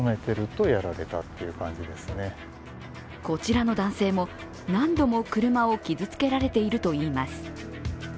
こちらの男性も、何度も車を傷つけられているといいます。